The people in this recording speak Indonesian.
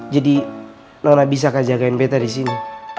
jadi nona bisakah jagain beta disini